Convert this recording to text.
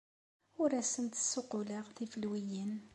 Ur asent-d-ssuqquleɣ tifelwiyin.